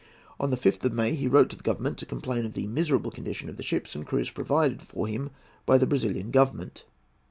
On the 5th of May he wrote to the Government to complain of the miserable condition of the ships and crews provided for him by the Brazilian Government.